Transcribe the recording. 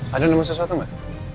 ada nombor sesuatu gak